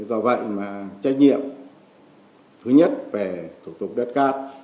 do vậy mà trách nhiệm thứ nhất về thủ tục đất cát